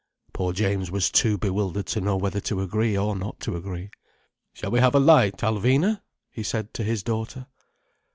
Poor James was too bewildered to know whether to agree or not to agree. "Shall we have a light, Alvina?" he said to his daughter.